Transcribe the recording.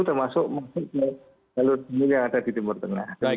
termasuk masuk ke jalur timur yang ada di timur tengah